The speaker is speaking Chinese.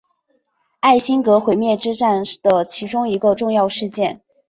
艾辛格毁灭之战的其中一个重要事件。